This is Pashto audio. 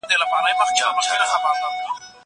زه کتابتون ته راتګ کړی دی.